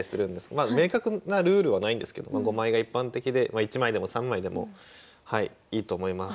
まあ明確なルールはないんですけどまあ５枚が一般的で１枚でも３枚でもいいと思います。